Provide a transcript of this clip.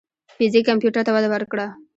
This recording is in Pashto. فزیک کمپیوټر ته وده ورکړه.